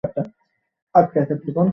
আঙুল কেটে ফেলেছ নাকি?